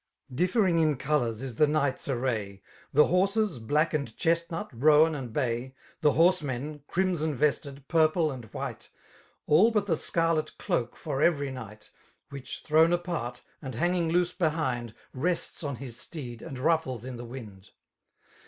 Differing in colours is the knights' array. The horses,, black and chesnut, roan and bay^^ The horsemen, crimson vested, purple, and white,—* All but the scarlet doak for every knight. Which thrown apart, and hanging loose behind. Rests on his steed, and ruffles in the wind.